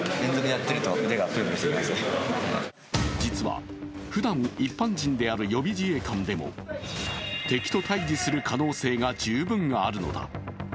実は、ふだん一般人である予備自衛官でも敵と対じする可能性が十分あるのだ。